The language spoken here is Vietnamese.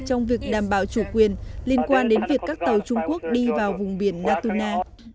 trong việc đảm bảo chủ quyền liên quan đến việc các tàu trung quốc đi vào vùng biển natuna